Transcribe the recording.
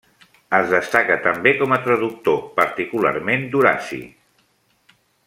Es destaca també com a traductor, particularment d'Horaci.